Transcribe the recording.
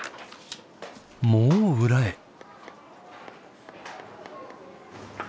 もう裏へ。